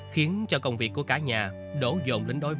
khiến cho công việc của cả nhà đổ dồn đến đôi mắt